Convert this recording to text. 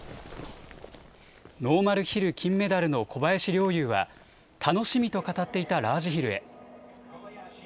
ノーマルヒル金メダルの小林陵侑は楽しみと語っていたラージヒルへ。